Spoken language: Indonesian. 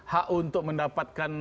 hak untuk mendapatkan